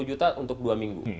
sepuluh juta untuk dua minggu